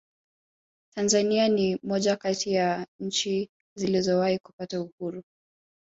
tanzania ni moja kati ya nchi zilizowahi kupata uhuru